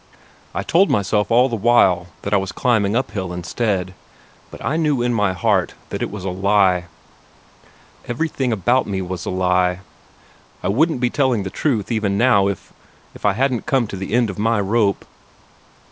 I told myself all the while that I was climbing uphill instead, but I knew in my heart that it was a lie. Everything about me was a lie. I wouldn't be telling the truth, even now, if if I hadn't come to the end of my rope.